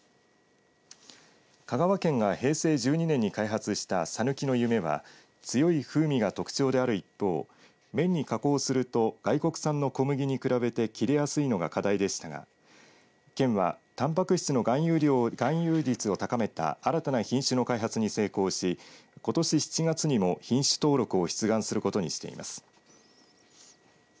香川県が平成１２年に開発したさぬきの夢は強い風味が特徴である一方麺に加工すると外国産の小麦に比べて切れやすいのが課題でしたが県はたんぱく質の含有率を高めた新たな品種の開発に成功しことし７月にも、品種登録を出願することにしています。